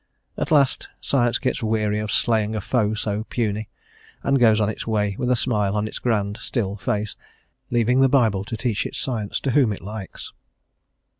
At last, science gets weary of slaying a foe so puny, and goes on its way with a smile on its grand, still face, leaving the Bible to teach its science to whom it lists.